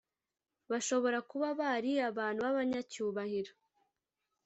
bashobora kuba bari abantu b'abanyacyubahiro,